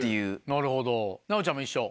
なるほど奈央ちゃんも一緒？